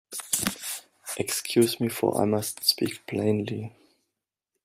Excuse me, for I must speak plainly.